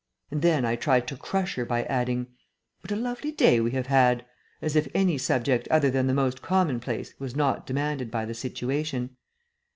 And then I tried to crush her by adding, "What a lovely day we have had," as if any subject other than the most commonplace was not demanded by the situation.